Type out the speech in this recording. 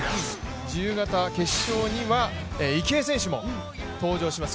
自由形決勝には池江選手も登場します